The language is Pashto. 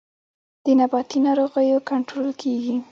د نباتي ناروغیو کنټرول کیږي